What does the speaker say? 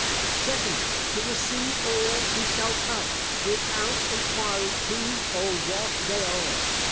Secondly, To receive all who shall come, without enquiring who or what they are.